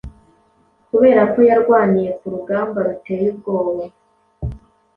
Kuberako yarwaniye kurugamba ruteye ubwoba